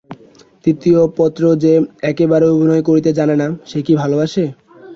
তৃতীয় পত্র–যে একেবারেই অভিমান করিতে জানে না, সে কি ভালোবাসে।